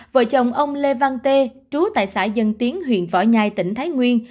vợ chồng ông lê văn tê trú tại xã dân tiến huyện võ nhai tỉnh thái nguyên